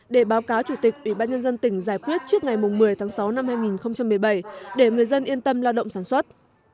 để báo cáo chủ tịch ủy ban nhân dân tỉnh giải quyết trước ngày một mươi tháng sáu năm hai nghìn một mươi bảy để người dân yên tâm lao động sản xuất